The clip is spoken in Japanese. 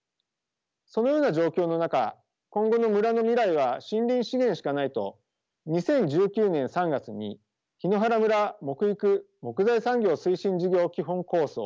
そのような状況の中今後の村の未来は森林資源しかないと２０１９年３月に「檜原村木育・木材産業推進事業基本構想」